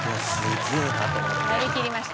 やりきりました。